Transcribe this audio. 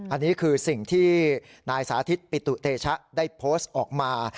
อันนี้คือสิ่งที่นายสาธิตปิตุเตชะได้โพสต์ออกมา